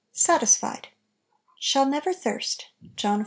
SATISFIED. "Shall never thirst"— John iv.